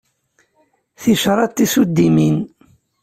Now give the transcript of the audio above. Ticraḍ tisuddimin.